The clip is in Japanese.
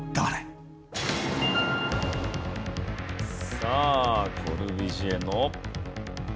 さあコルビュジエの。